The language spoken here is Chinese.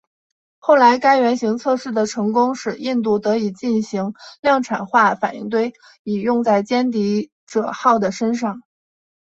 后来该原型测试的成功使印度得以进行量产化反应堆以用在歼敌者号的身上。